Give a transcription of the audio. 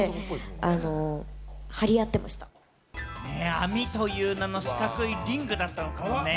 網という名の四角いリングだったのかもね。